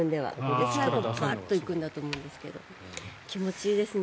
で、最後バッと行くんだと思いますが気持ちいいですね。